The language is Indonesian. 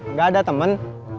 nggak ada temen